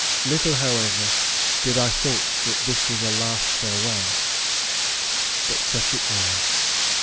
Little, however, did I think that this was a last farewell. But such it was.